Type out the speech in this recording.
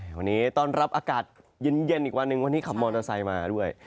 วันนี้ท่านรับอากาศเย็นอีกวันนึงวันนี้ขับมอโนไซม์มาด้วย